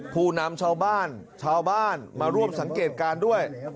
ผู้นำชาวบ้านชาวบ้านมาร่วมสังเกตการณ์ด้วย